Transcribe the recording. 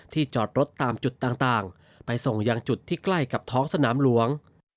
จอดรถตามจุดต่างไปส่งยังจุดที่ใกล้กับท้องสนามหลวง